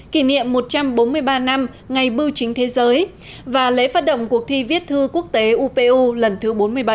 kỷ niệm một trăm bốn mươi ba năm ngày bưu chính thế giới và lễ phát động cuộc thi viết thư quốc tế upu lần thứ bốn mươi bảy